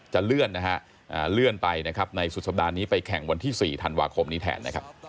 จะเลื่อนไปในสุดสัปดาห์นี้ไปแข่งวันที่๔ธันวาคมนี้แทน